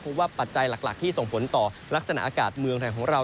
เพราะว่าปัจจัยหลักที่ส่งผลต่อลักษณะอากาศเมืองไทยของเรา